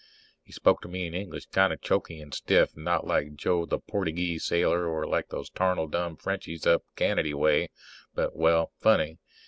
He spoke to me in English, kind of choky and stiff, not like Joe the Portygee sailor or like those tarnal dumb Frenchies up Canady way, but well, funny.